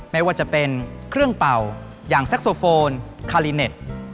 ไม่ว่าจะเป็นเครื่องเป่าอย่างแซ็กโซโฟนคาลิเน็ต